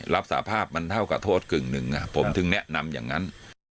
รับสาภาพมันเท่ากับโทษกึ่งหนึ่งผมถึงแนะนำอย่างนั้น